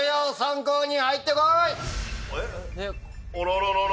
あらららら。